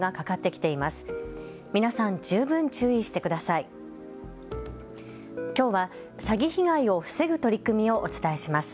きょうは詐欺被害を防ぐ取り組みをお伝えします。